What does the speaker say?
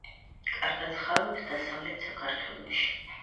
კარგად ხარობს დასავლეთ საქართველოში.